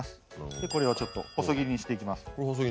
でこれをちょっと細切りにしていきます。